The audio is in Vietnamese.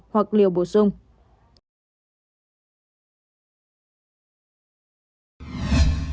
hoặc vắc xin mrna